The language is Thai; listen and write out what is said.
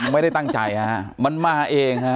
ไม่ได้ตั้งใจฮะมันมาเองฮะ